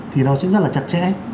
thì nó sẽ rất là chặt chẽ